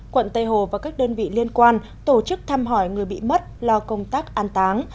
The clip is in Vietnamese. quận tây hồ và các đơn vị liên quan tổ chức thăm hỏi người bị mất lo công tác an táng